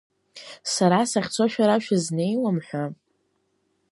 Сара сахьцо шәара шәызнеиуам ҳәа?